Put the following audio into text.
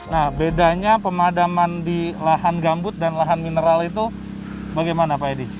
nah bedanya pemadaman di lahan gambut dan lahan mineral itu bagaimana pak edi